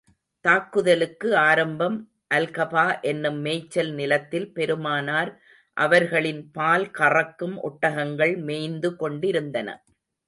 தாக்குதலுக்கு ஆரம்பம், அல்கபா என்னும் மேய்ச்சல் நிலத்தில் பெருமானார் அவர்களின் பால் கறக்கும் ஒட்டகங்கள் மேய்ந்து கொண்டிருந்தன.